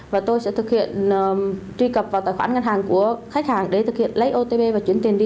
và tôi sẽ thực hiện truy cập vào tài khoản ngân hàng của khách hàng để thực hiện lấy otb và chuyển tiền đi